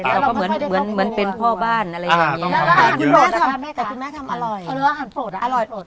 เราก็เหมือนเป็นพ่อบ้านแต่คุณแม่ทำเอาไหร่